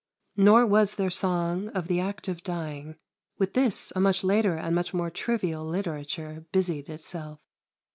Nor was their song of the act of dying. With this a much later and much more trivial literature busied itself.